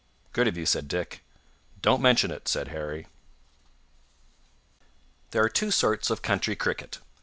"Good of you," said Dick. "Don't mention it," said Harry. There are two sorts of country cricket.